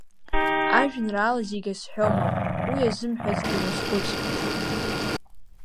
Ажәеинраала зегь азҳәома, уи иазымҳәазгьы уазхәыц.